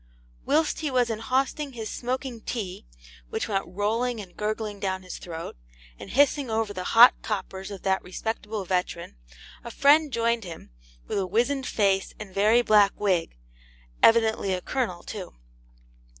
Whilst he was inhausting his smoking tea, which went rolling and gurgling down his throat, and hissing over the 'hot coppers' of that respectable veteran, a friend joined him, with a wizened face and very black wig, evidently a Colonel too.